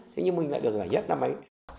thế nhưng mình lại được giải nhất năm ấy